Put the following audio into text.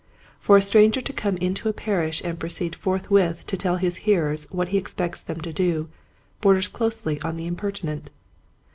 For a stranger to come into a parish and proceed forthwith to tell his hearers what he expects them to do borders closely on the impertinent.